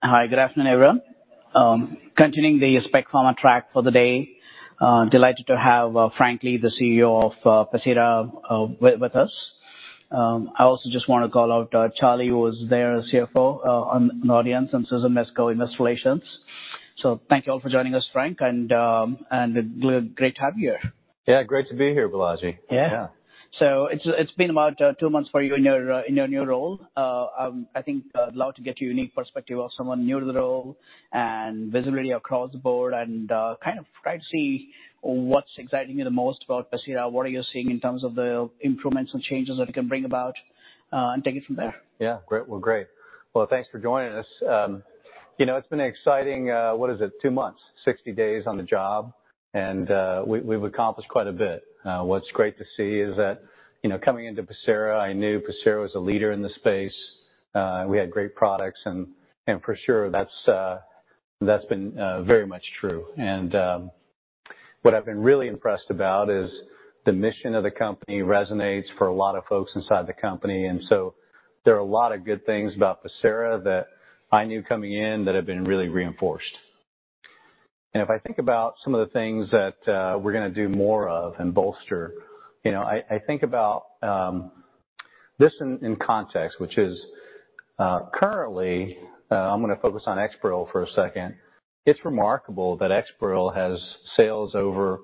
Hi, good afternoon, everyone. Continuing the Spec Pharma track for the day, delighted to have Frank Lee, the CEO of Pacira, with us. I also just wanna call out Charlie, who was there as CFO, in the audience, and Susan Mesco in Investor Relations. So thank you all for joining us, Frank, and great to have you here. Yeah, great to be here, Balaji. Yeah? Yeah. So it's been about two months for you in your new role. I think I'd love to get your unique perspective of someone new to the role and visibility across the board and kind of try to see what's exciting you the most about Pacira, what are you seeing in terms of the improvements and changes that it can bring about, and take it from there. Yeah, great. Well, great. Well, thanks for joining us. You know, it's been an exciting, what is it, two months, 60 days on the job, and we, we've accomplished quite a bit. What's great to see is that, you know, coming into Pacira, I knew Pacira was a leader in the space, and we had great products, and, and for sure, that's, that's been very much true. And what I've been really impressed about is the mission of the company resonates for a lot of folks inside the company, and so there are a lot of good things about Pacira that I knew coming in that have been really reinforced. And if I think about some of the things that we're gonna do more of and bolster, you know, I, I think about this in, in context, which is, currently, I'm gonna focus on EXPAREL for a second. It's remarkable that EXPAREL has sales over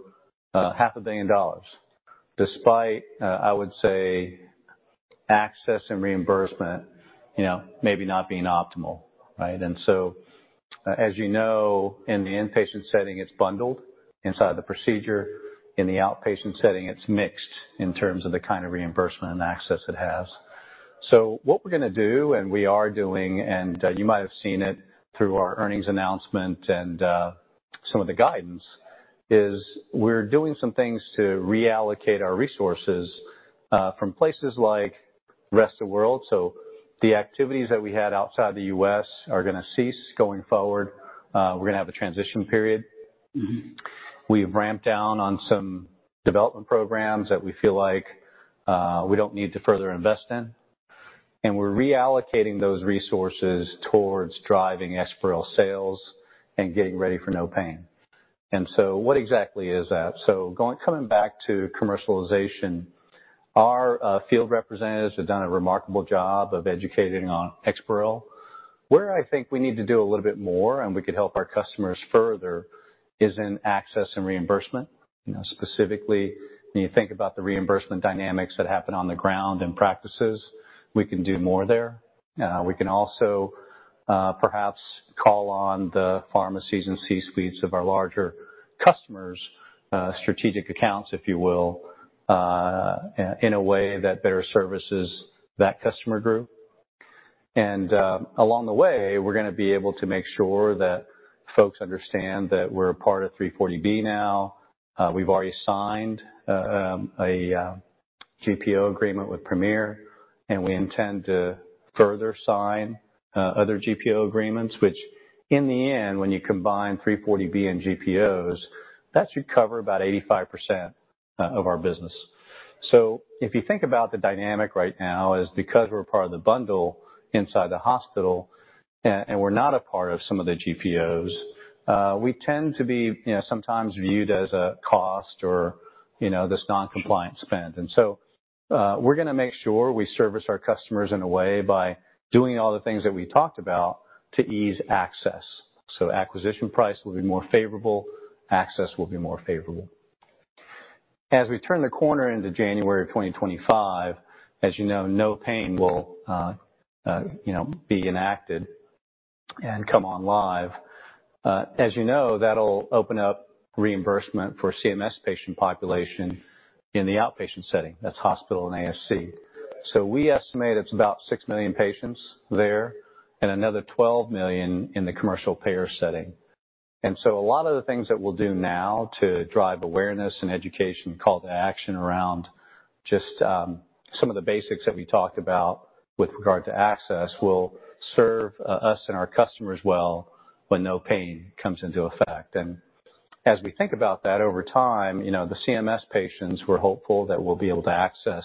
$500 million despite, I would say, access and reimbursement, you know, maybe not being optimal, right? And so, as you know, in the inpatient setting, it's bundled inside the procedure. In the outpatient setting, it's mixed in terms of the kind of reimbursement and access it has. So what we're gonna do, and we are doing, and you might have seen it through our earnings announcement and some of the guidance, is we're doing some things to reallocate our resources from places like the rest of the world. So the activities that we had outside the U.S. are gonna cease going forward. We're gonna have a transition period. Mm-hmm. We've ramped down on some development programs that we feel like we don't need to further invest in, and we're reallocating those resources towards driving EXPAREL sales and getting ready for NOPAIN. And so what exactly is that? So going back to commercialization, our field representatives have done a remarkable job of educating on EXPAREL. Where I think we need to do a little bit more and we could help our customers further is in access and reimbursement. You know, specifically, when you think about the reimbursement dynamics that happen on the ground in practices, we can do more there. We can also, perhaps, call on the pharmacies and C-suites of our larger customers, strategic accounts, if you will, in a way that better services that customer group. Along the way, we're gonna be able to make sure that folks understand that we're a part of 340B now. We've already signed a GPO agreement with Premier, and we intend to further sign other GPO agreements, which in the end, when you combine 340B and GPOs, that should cover about 85% of our business. So if you think about the dynamic right now is because we're a part of the bundle inside the hospital, and we're not a part of some of the GPOs, we tend to be, you know, sometimes viewed as a cost or, you know, this noncompliance spend. And so, we're gonna make sure we service our customers in a way by doing all the things that we talked about to ease access. So acquisition price will be more favorable. Access will be more favorable. As we turn the corner into January of 2025, as you know, NOPAIN will, you know, be enacted and come online. As you know, that'll open up reimbursement for CMS patient population in the outpatient setting. That's hospital and ASC. So we estimate it's about 6 million patients there and another 12 million in the commercial payer setting. And so a lot of the things that we'll do now to drive awareness and education, call to action around just some of the basics that we talked about with regard to access will serve us and our customers well when NOPAIN comes into effect. And as we think about that over time, you know, the CMS patients, we're hopeful that we'll be able to access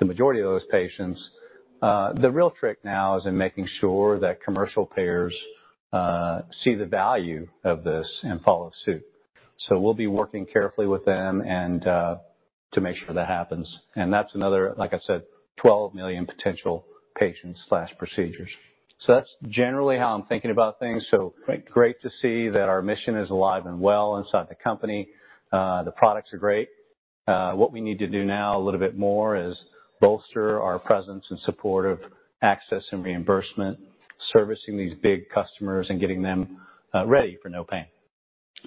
the majority of those patients. The real trick now is in making sure that commercial payers see the value of this and follow suit. So we'll be working carefully with them and to make sure that happens. And that's another, like I said, 12 million potential patients/procedures. So that's generally how I'm thinking about things. So. Great. Great to see that our mission is alive and well inside the company. The products are great. What we need to do now a little bit more is bolster our presence and support of access and reimbursement, servicing these big customers, and getting them ready for NOPAIN.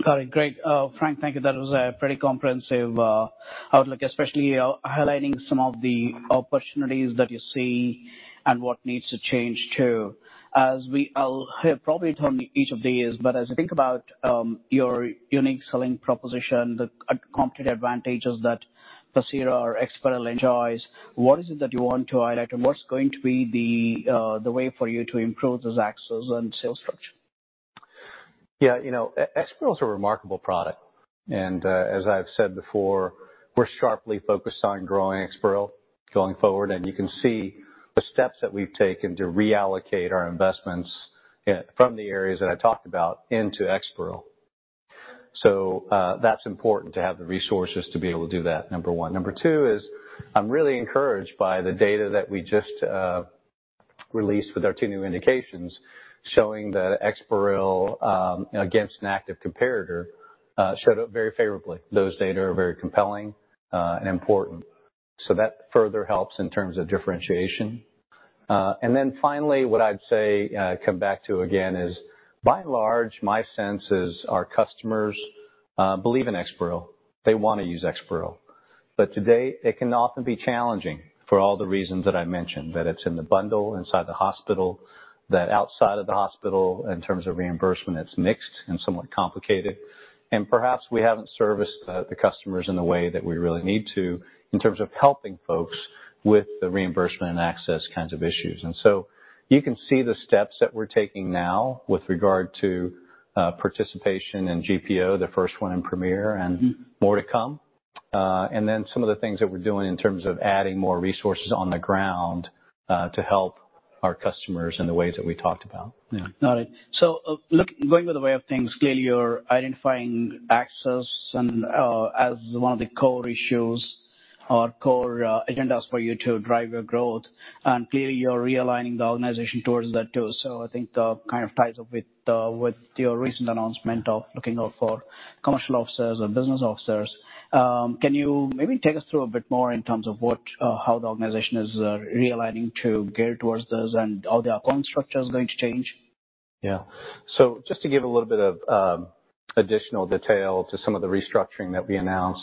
Got it. Great. Frank, thank you. That was a pretty comprehensive outlook, especially highlighting some of the opportunities that you see and what needs to change too. As we'll hear probably from each of these, but as you think about your unique selling proposition, the competitive advantages that Pacira or EXPAREL enjoys, what is it that you want to highlight, and what's going to be the way for you to improve those access and sales structure? Yeah, you know, EXPAREL's a remarkable product. And, as I've said before, we're sharply focused on growing EXPAREL going forward, and you can see the steps that we've taken to reallocate our investments, you know, from the areas that I talked about into EXPAREL. So, that's important to have the resources to be able to do that, number one. Number two is I'm really encouraged by the data that we just released with our two new indications showing that EXPAREL, against an active competitor, showed up very favorably. Those data are very compelling, and important. So that further helps in terms of differentiation. And then finally, what I'd say, come back to again is by and large, my sense is our customers believe in EXPAREL. They wanna use EXPAREL. But today, it can often be challenging for all the reasons that I mentioned, that it's in the bundle inside the hospital, that outside of the hospital in terms of reimbursement, it's mixed and somewhat complicated. And perhaps we haven't serviced the customers in the way that we really need to in terms of helping folks with the reimbursement and access kinds of issues. And so you can see the steps that we're taking now with regard to participation in GPO, the first one in Premier, and. Mm-hmm. More to come. And then some of the things that we're doing in terms of adding more resources on the ground, to help our customers in the ways that we talked about. Yeah. Got it. So, look going by the way of things, clearly, you're identifying access and, as one of the core issues or core, agendas for you to drive your growth, and clearly, you're realigning the organization towards that too. So I think that kind of ties up with, with your recent announcement of looking out for commercial officers or business officers. Can you maybe take us through a bit more in terms of what, how the organization is, realigning to gear towards this and how the account structure is going to change? Yeah. So just to give a little bit of additional detail to some of the restructuring that we announced,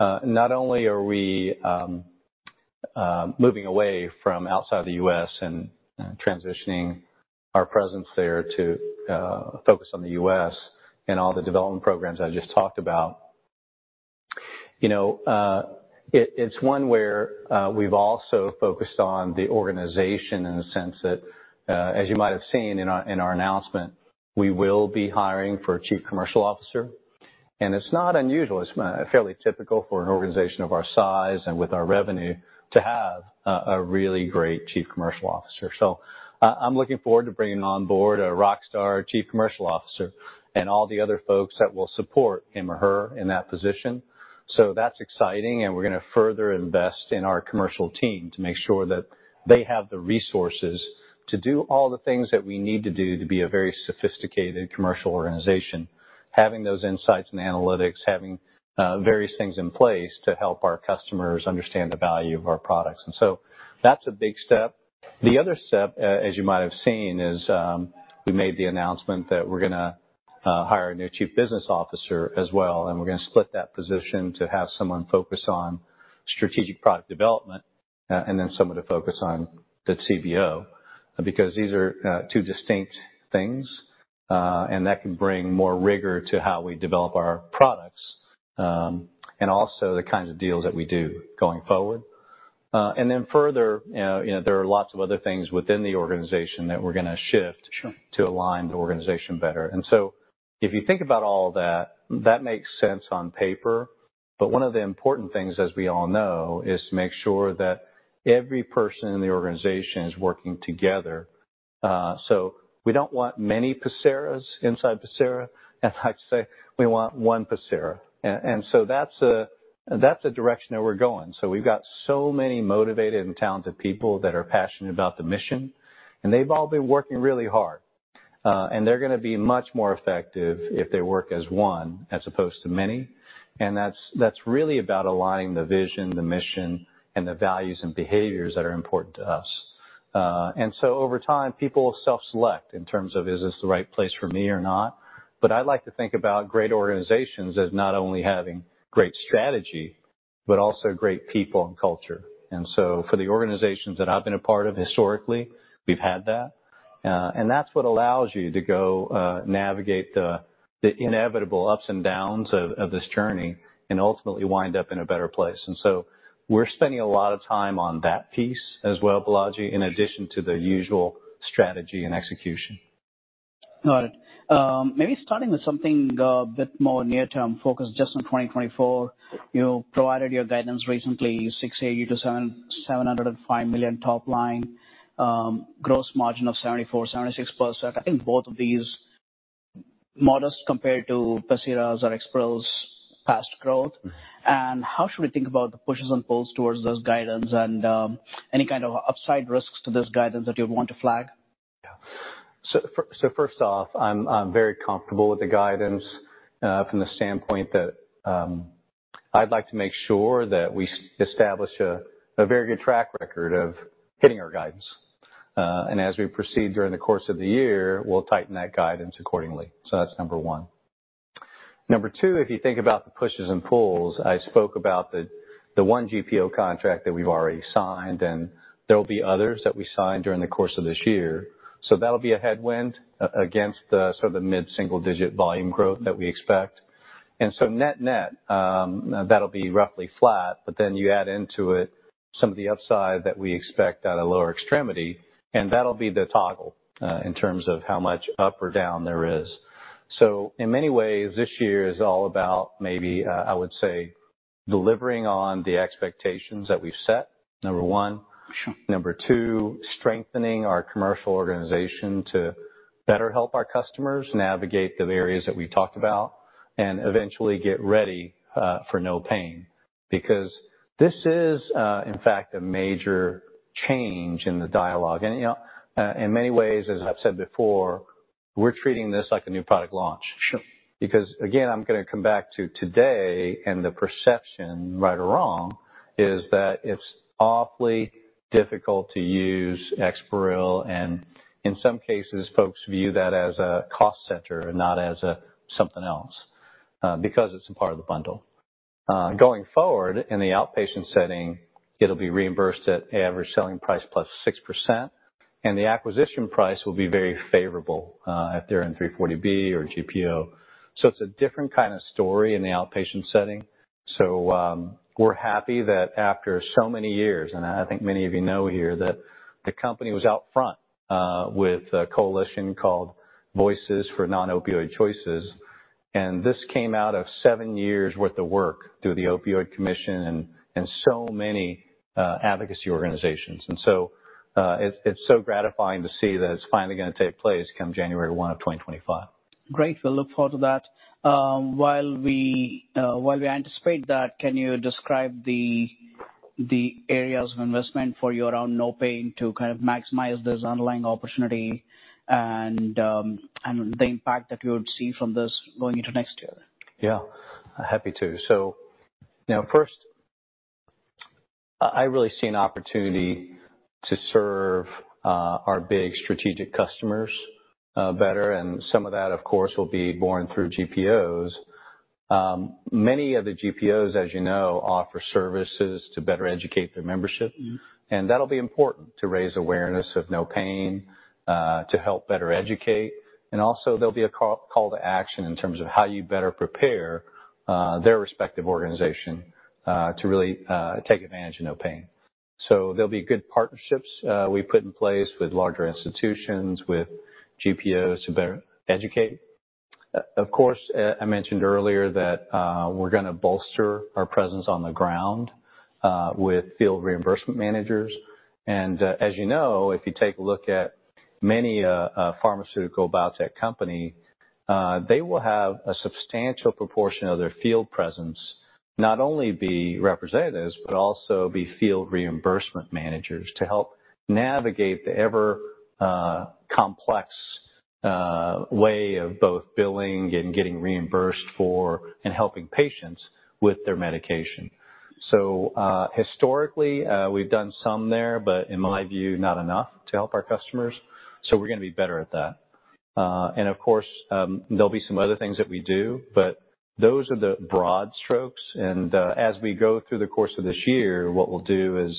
not only are we moving away from outside the U.S. and transitioning our presence there to focus on the U.S. and all the development programs I just talked about, you know, it's one where we've also focused on the organization in the sense that, as you might have seen in our announcement, we will be hiring for a chief commercial officer. And it's not unusual. It's fairly typical for an organization of our size and with our revenue to have a really great chief commercial officer. So, I'm looking forward to bringing on board a rockstar chief commercial officer and all the other folks that will support him or her in that position. So that's exciting, and we're gonna further invest in our commercial team to make sure that they have the resources to do all the things that we need to do to be a very sophisticated commercial organization, having those insights and analytics, having various things in place to help our customers understand the value of our products. And so that's a big step. The other step, as you might have seen, is we made the announcement that we're gonna hire a new chief business officer as well, and we're gonna split that position to have someone focus on strategic product development, and then someone to focus on the CBO, because these are two distinct things, and that can bring more rigor to how we develop our products, and also the kinds of deals that we do going forward. Then further, you know, you know, there are lots of other things within the organization that we're gonna shift. Sure. To align the organization better. And so if you think about all that, that makes sense on paper, but one of the important things, as we all know, is to make sure that every person in the organization is working together. So we don't want many Paciras inside Pacira. As I say, we want one Pacira. And so that's a direction that we're going. So we've got so many motivated and talented people that are passionate about the mission, and they've all been working really hard. And they're gonna be much more effective if they work as one as opposed to many. And that's really about aligning the vision, the mission, and the values and behaviors that are important to us. Over time, people self-select in terms of, "Is this the right place for me or not?" But I like to think about great organizations as not only having great strategy but also great people and culture. For the organizations that I've been a part of historically, we've had that. That's what allows you to navigate the inevitable ups and downs of this journey and ultimately wind up in a better place. We're spending a lot of time on that piece as well, Balaji, in addition to the usual strategy and execution. Got it. Maybe starting with something, a bit more near-term focused just on 2024. You provided your guidance recently, $680 million-$705 million top line, gross margin of 74%-76%. I think both of these modest compared to Pacira's or EXPAREL's past growth. Mm-hmm. How should we think about the pushes and pulls towards those guidance and any kind of upside risks to those guidance that you'd want to flag? Yeah. So first off, I'm very comfortable with the guidance, from the standpoint that I'd like to make sure that we establish a very good track record of hitting our guidance. And as we proceed during the course of the year, we'll tighten that guidance accordingly. So that's number one. Number two, if you think about the pushes and pulls, I spoke about the one GPO contract that we've already signed, and there'll be others that we signed during the course of this year. So that'll be a headwind against the sort of mid-single-digit volume growth that we expect. And so net-net, that'll be roughly flat, but then you add into it some of the upside that we expect out of lower extremity, and that'll be the toggle, in terms of how much up or down there is. In many ways, this year is all about maybe, I would say, delivering on the expectations that we've set, number one. Sure. Number two, strengthening our commercial organization to better help our customers navigate the areas that we talked about and eventually get ready for NOPAIN because this is, in fact, a major change in the dialogue. And, you know, in many ways, as I've said before, we're treating this like a new product launch. Sure. Because again, I'm gonna come back to today, and the perception, right or wrong, is that it's awfully difficult to use EXPAREL, and in some cases, folks view that as a cost center and not as something else, because it's a part of the bundle. Going forward, in the outpatient setting, it'll be reimbursed at average selling price plus 6%, and the acquisition price will be very favorable, if they're in 340B or GPO. So it's a different kind of story in the outpatient setting. So, we're happy that after so many years, and I think many of you know here, that the company was out front, with a coalition called Voices for Non-Opioid Choices. And this came out of seven years' worth of work through the Opioid Commission and so many advocacy organizations. And so, it's so gratifying to see that it's finally gonna take place come January 1 of 2025. Great. We'll look forward to that. While we anticipate that, can you describe the areas of investment for you around NOPAIN to kind of maximize those underlying opportunity and the impact that you would see from this going into next year? Yeah. Happy to. So, you know, first, I really see an opportunity to serve our big strategic customers better, and some of that, of course, will be born through GPOs. Many of the GPOs, as you know, offer services to better educate their membership. Mm-hmm. That'll be important to raise awareness of NOPAIN, to help better educate. Also, there'll be a call to action in terms of how you better prepare their respective organization to really take advantage of NOPAIN. So there'll be good partnerships we put in place with larger institutions, with GPOs to better educate. Of course, I mentioned earlier that we're gonna bolster our presence on the ground with field reimbursement managers. And, as you know, if you take a look at many pharmaceutical biotech companies, they will have a substantial proportion of their field presence not only be representatives but also be field reimbursement managers to help navigate the ever complex way of both billing and getting reimbursed for and helping patients with their medication. So, historically, we've done some there, but in my view, not enough to help our customers. So we're gonna be better at that. And of course, there'll be some other things that we do, but those are the broad strokes. And as we go through the course of this year, what we'll do is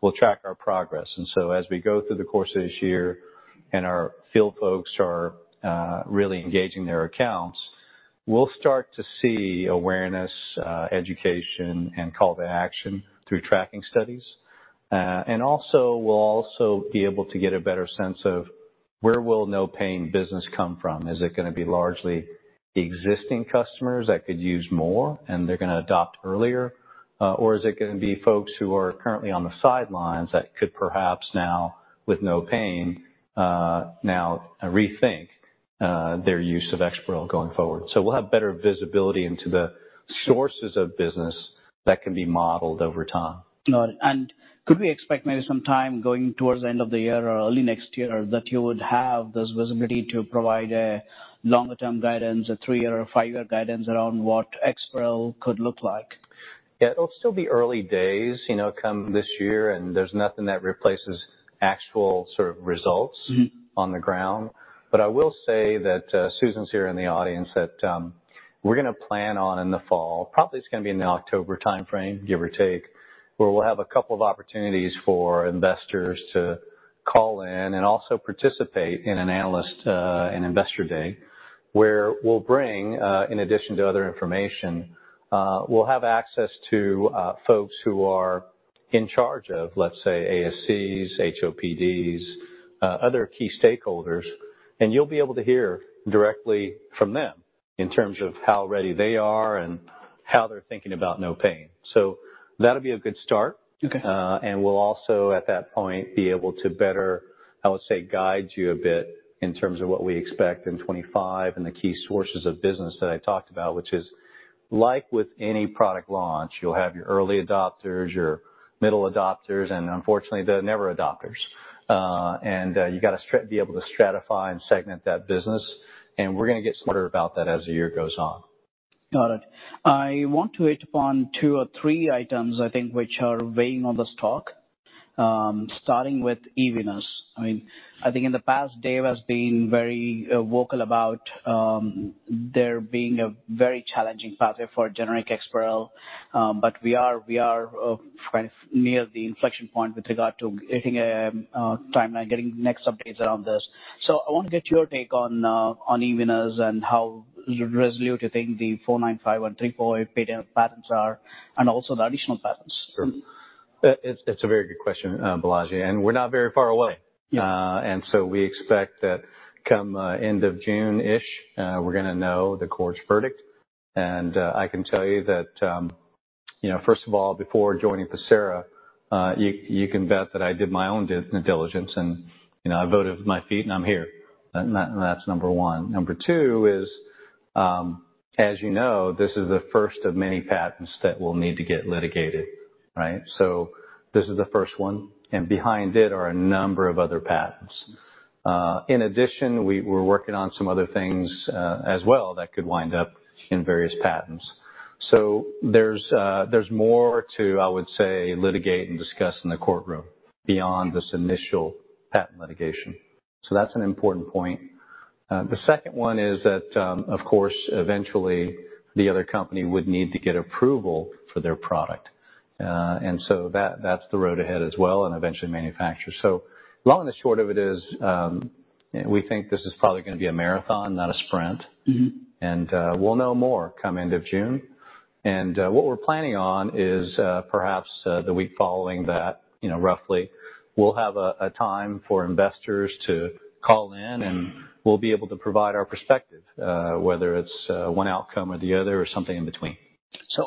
we'll track our progress. And so as we go through the course of this year and our field folks are really engaging their accounts, we'll start to see awareness, education, and call to action through tracking studies. And also, we'll also be able to get a better sense of where will non-opioid business come from? Is it gonna be largely existing customers that could use more, and they're gonna adopt earlier? Or is it gonna be folks who are currently on the sidelines that could perhaps now, with non-opioid, now rethink their use of EXPAREL going forward? So we'll have better visibility into the sources of business that can be modeled over time. Got it. Could we expect maybe some time going towards the end of the year or early next year that you would have those visibility to provide a longer-term guidance, a three-year or five-year guidance around what EXPAREL could look like? Yeah. It'll still be early days, you know, come this year, and there's nothing that replaces actual sort of results. Mm-hmm. On the ground. But I will say that Susan's here in the audience that we're gonna plan on in the fall probably. It's gonna be in the October timeframe, give or take, where we'll have a couple of opportunities for investors to call in and also participate in an analyst, an investor day where we'll bring, in addition to other information, we'll have access to folks who are in charge of, let's say, ASCs, HOPDs, other key stakeholders, and you'll be able to hear directly from them in terms of how ready they are and how they're thinking about NOPAIN. So that'll be a good start. Okay. And we'll also, at that point, be able to better, I would say, guide you a bit in terms of what we expect in 2025 and the key sources of business that I talked about, which is, like with any product launch, you'll have your early adopters, your middle adopters, and unfortunately, the never adopters. And, you gotta be able to stratify and segment that business, and we're gonna get smarter about that as the year goes on. Got it. I want to hit upon two or three items, I think, which are weighing on the stock, starting with eVenus. I mean, I think in the past, Dave has been very vocal about there being a very challenging pathway for generic EXPAREL. But we are kind of near the inflection point with regard to hitting a timeline, getting next updates around this. So I want to get your take on eVenus and how resolute you think the 4,951,348 patents are and also the additional patents. Sure. It's a very good question, Balaji, and we're not very far away. Yeah. And so we expect that come end of June-ish, we're gonna know the court's verdict. And I can tell you that, you know, first of all, before joining Pacira, you can bet that I did my own due diligence, and, you know, I voted with my feet, and I'm here. And that, that's number one. Number two is, as you know, this is the first of many patents that will need to get litigated, right? So this is the first one, and behind it are a number of other patents. In addition, we're working on some other things, as well that could wind up in various patents. So there's more to, I would say, litigate and discuss in the courtroom beyond this initial patent litigation. So that's an important point. The second one is that, of course, eventually, the other company would need to get approval for their product. and so that's the road ahead as well and eventually manufacture. So, the long and the short of it is, we think this is probably gonna be a marathon, not a sprint. Mm-hmm. We'll know more come end of June. What we're planning on is, perhaps, the week following that, you know, roughly, we'll have a, a time for investors to call in, and we'll be able to provide our perspective, whether it's, one outcome or the other or something in between.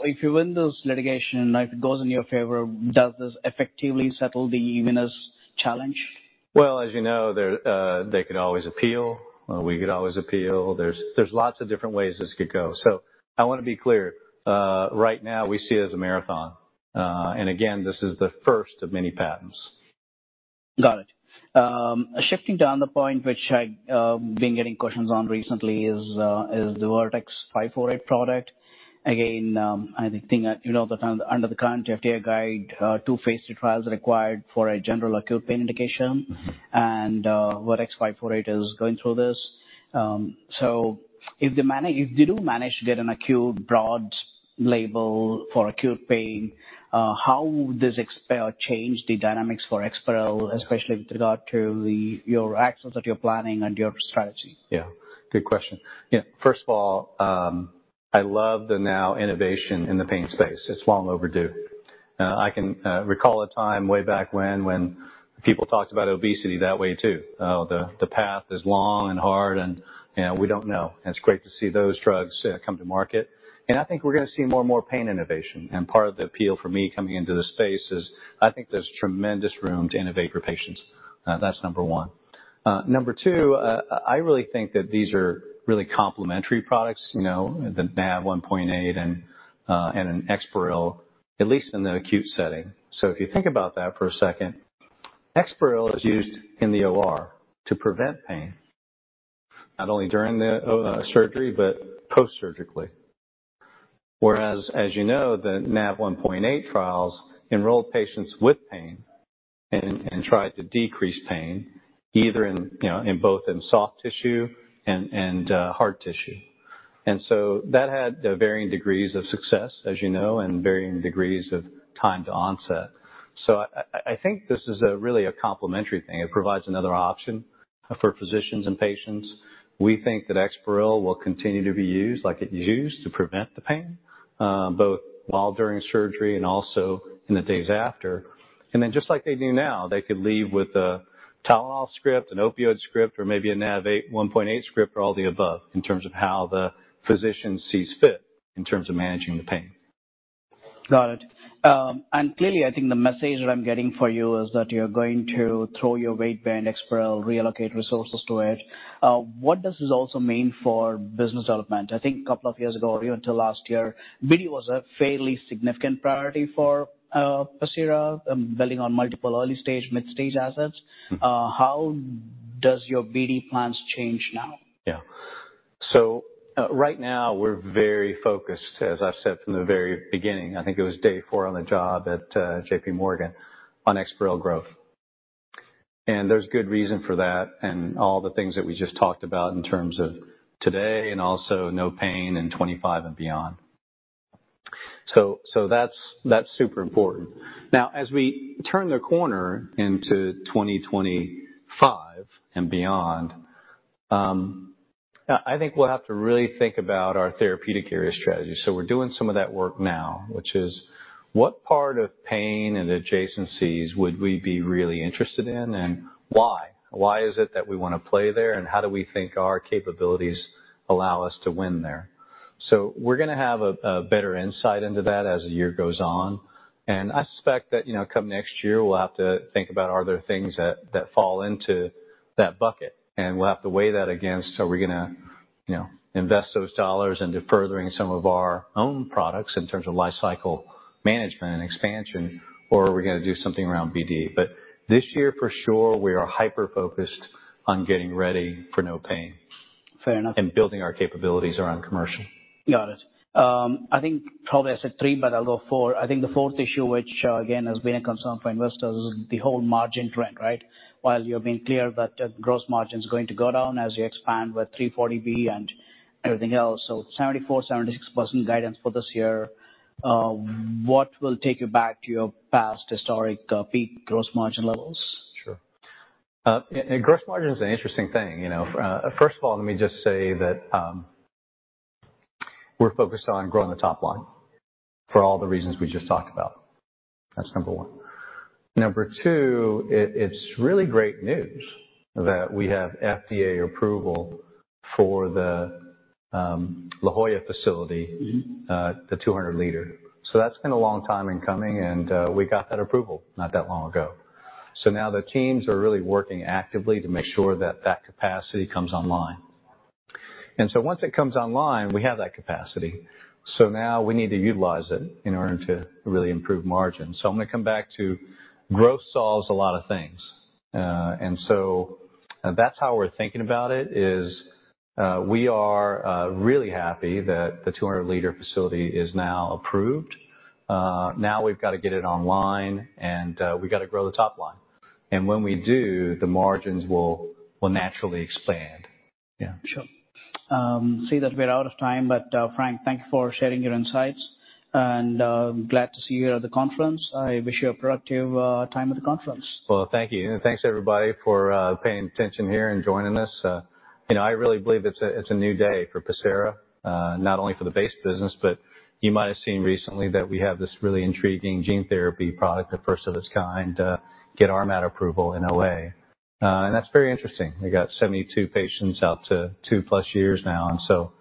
If you win those litigation, if it goes in your favor, does this effectively settle the eVenus challenge? Well, as you know, they could always appeal. We could always appeal. There's lots of different ways this could go. So I wanna be clear. Right now, we see it as a marathon. And again, this is the first of many patents. Got it. Shifting down the point, which I've been getting questions on recently, is the VX-548 product. Again, I think, you know, the kind of under the current FDA guide, two phase trials are required for a general acute pain indication. Mm-hmm. VX-548 is going through this. So if they do manage to get an acute broad label for acute pain, how would this impact or change the dynamics for EXPAREL, especially with regard to your access that you're planning and your strategy? Yeah. Good question. Yeah. First of all, I love the new innovation in the pain space. It's long overdue. I can recall a time way back when when people talked about obesity that way too. Oh, the path is long and hard, and, you know, we don't know. And it's great to see those drugs come to market. And I think we're gonna see more and more pain innovation. And part of the appeal for me coming into this space is I think there's tremendous room to innovate for patients. That's number one. Number two, I really think that these are really complementary products, you know, the NaV1.8 and an EXPAREL, at least in the acute setting. So if you think about that for a second, EXPAREL is used in the OR to prevent pain, not only during the surgery but postsurgically. Whereas, as you know, the NaV1.8 trials enrolled patients with pain and tried to decrease pain either in, you know, in both in soft tissue and hard tissue. And so that had varying degrees of success, as you know, and varying degrees of time to onset. So I think this is really a complementary thing. It provides another option for physicians and patients. We think that EXPAREL will continue to be used like it's used to prevent the pain, both while during surgery, and also in the days after. And then just like they do now, they could leave with a Tylenol script, an opioid script, or maybe a NaV1.8 script or all the above in terms of how the physician sees fit in terms of managing the pain. Got it. And clearly, I think the message that I'm getting for you is that you're going to throw your weight behind EXPAREL, reallocate resources to it. What does this also mean for business development? I think a couple of years ago, or even till last year, BD was a fairly significant priority for Pacira, building on multiple early-stage, mid-stage assets. Mm-hmm. How does your BD plans change now? Yeah. So, right now, we're very focused, as I've said from the very beginning, I think it was day four on the job at J.P. Morgan, on EXPAREL growth. And there's good reason for that and all the things that we just talked about in terms of today and also NOPAIN in 2025 and beyond. So, so that's, that's super important. Now, as we turn the corner into 2025 and beyond, I, I think we'll have to really think about our therapeutic area strategy. So we're doing some of that work now, which is what part of pain and adjacencies would we be really interested in and why? Why is it that we wanna play there, and how do we think our capabilities allow us to win there? So we're gonna have a, a better insight into that as the year goes on. I suspect that, you know, come next year, we'll have to think about, are there things that, that fall into that bucket? We'll have to weigh that against, are we gonna, you know, invest those dollars into furthering some of our own products in terms of lifecycle management and expansion, or are we gonna do something around BD? But this year, for sure, we are hyper-focused on getting ready for NOPAIN. Fair enough. Building our capabilities around commercial. Got it. I think probably I said three, but I'll go four. I think the fourth issue, which, again, has been a concern for investors, is the whole margin trend, right? While you're being clear that gross margin's going to go down as you expand with 340B and everything else, so 74%-76% guidance for this year. What will take you back to your past historic peak gross margin levels? Sure. Gross margin's an interesting thing, you know. First of all, let me just say that, we're focused on growing the top line for all the reasons we just talked about. That's number one. Number two, it's really great news that we have FDA approval for the La Jolla facility. Mm-hmm. The 200 L. So that's been a long time in coming, and we got that approval not that long ago. So now the teams are really working actively to make sure that that capacity comes online. And so once it comes online, we have that capacity. So now we need to utilize it in order to really improve margins. So I'm gonna come back to growth solves a lot of things. And so that's how we're thinking about it, is we are really happy that the 200-liter facility is now approved. Now we've gotta get it online, and we gotta grow the top line. And when we do, the margins will naturally expand. Yeah. Sure. I see that we're out of time, but, Frank, thank you for sharing your insights, and glad to see you here at the conference. I wish you a productive time at the conference. Well, thank you. And thanks, everybody, for paying attention here and joining us. You know, I really believe it's a it's a new day for Pacira, not only for the base business, but you might have seen recently that we have this really intriguing gene therapy product, the first of its kind, get RMAT approval in OA. And that's very interesting. We got 72 patients out to 2+ years now. And so,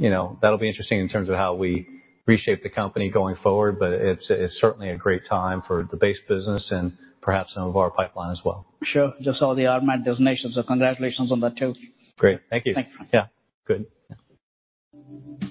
you know, that'll be interesting in terms of how we reshape the company going forward, but it's, it's certainly a great time for the base business and perhaps some of our pipeline as well. Sure. Just saw the RMAT designation, so congratulations on that too. Great. Thank you. Thanks, Frank. Yeah. Good. Yeah.